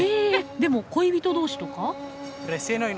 でも恋人同士とか？